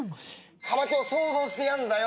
ハマチを想像してやんだよ。